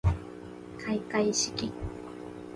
かいかいしき